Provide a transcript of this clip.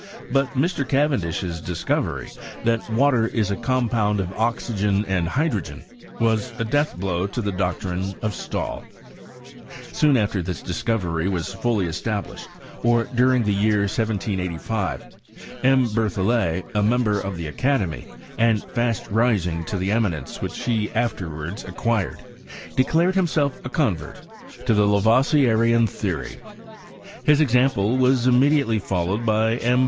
Bui Mr. CaveadUJiRdlscoveiT. thatwaierisacompound of oxygen and hydrogen, wa£ a dealh biow to tha tloctrine of Slahl Soon afler this discovery wax I'uUv established, or during the year 17S5, M. Ber thoflet, a. member of the academy, and tast ming to tlie eminence which he afterwards acquired, de clared himself a convert to the Laroi^ieaian theory. His example was irotnediaiely followed by M.